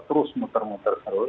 terus muter muter terus